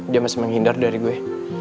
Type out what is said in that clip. dia masih menghindar dari gue